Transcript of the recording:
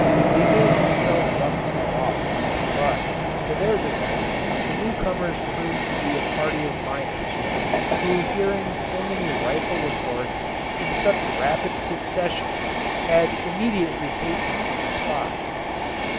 They gave themselves up for lost, but, to their delight, the new comers proved to be a party of miners, who hearing so many rifle reports in such rapid succession, had immediately hastened to the spot.